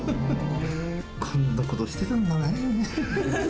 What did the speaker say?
こんなことをしてたんだねー。